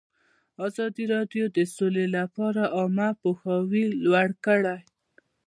ازادي راډیو د سوله لپاره عامه پوهاوي لوړ کړی.